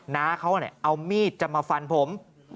น้าเขาเอามีดจะมาฟันผม